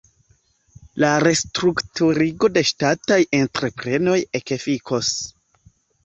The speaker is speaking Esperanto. La restrukturigo de ŝtataj entreprenoj ekefikos.